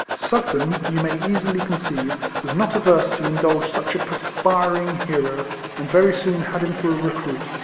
Sugden, you may easily conceive, was not averse to indulge such a ^''perspiring " hero, and very soon had him for a recruit.